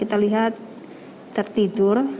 kita lihat tertidur